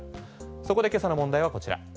そこで今朝の問題はこちら。